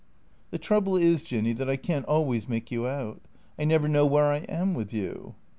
" The trouble is, Jinny, that I can't always make you out. I never know where I am with you."